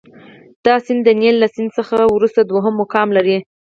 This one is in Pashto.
دا سیند د نیل له سیند څخه وروسته دوهم مقام لري.